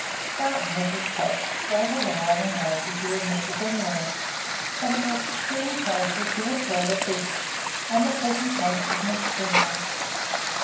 Barton was, in fact, as great a liar and rogue as you would meet with anywhere, but in extreme cases he would tell the truth, and the present case was an extreme one.